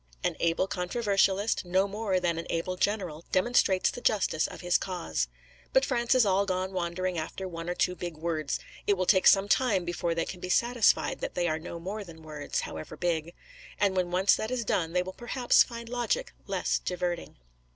An able controversialist no more than an able general demonstrates the justice of his cause. But France is all gone wandering after one or two big words; it will take some time before they can be satisfied that they are no more than words, however big; and when once that is done, they will perhaps find logic less diverting.